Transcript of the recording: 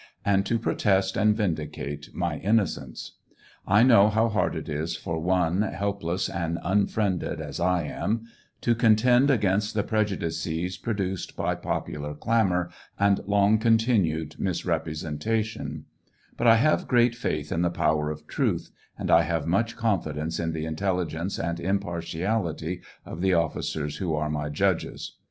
and to protest and vindicate my innocence. I know how hard it is for one, help less and unfriended as I am, to contend against the prejudices produced by pop iilar clamor and long continued misrepresentation, but 1 have great Caith in the power of truth, and I have much confidence in the intelligence and impartialitj of the officers who are my judges.